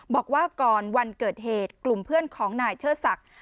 บอกว่าก่อนวันเกิดเหตุกลุ่มเพื่อนของนายเชิดศักดิ์